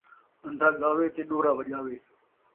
اندھا ڳاوے تے ݙورا وڄاوے